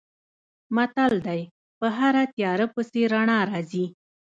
متل دی: په هره تیاره پسې رڼا راځي.